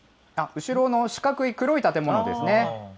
後ろの四角い黒い建物ですね。